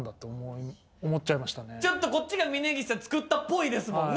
ちょっとこっちが峯岸さん作ったっぽいですもんね。